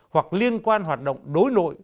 hoặc liên quan hoạt động đối nội